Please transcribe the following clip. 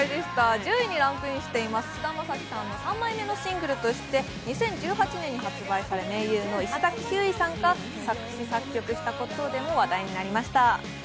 １０位にランクインしています、菅田将暉さんの３枚目のシングルとして、２０１８年に発売され盟友の石崎ひゅーいさんが作詞作曲したことでも話題になりました。